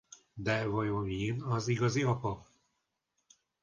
De vajon Jin az igazi apa?